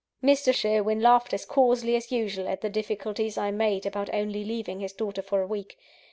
Mr. Sherwin laughed as coarsely as usual, at the difficulties I made about only leaving his daughter for a week.